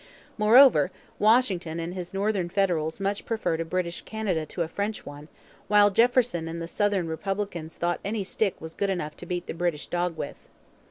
Moreover, Washington and his Northern Federals much preferred a British Canada to a French one, while Jefferson and the Southern Republicans thought any stick was good enough to beat the British dog with.